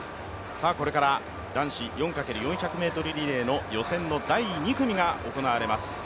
これから男子４×４００ｍリレーの予選の第２組が行われます。